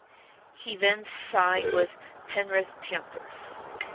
He then signed with Penrith Panthers.